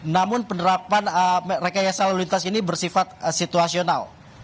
namun penerapan rekayasa lalu lintas ini bersifat situasional